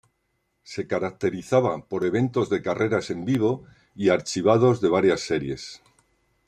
Se caracterizaba por eventos de carreras en vivo y archivados de varias series.